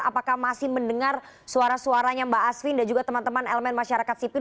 apakah masih mendengar suara suaranya mbak asvin dan juga teman teman elemen masyarakat sipil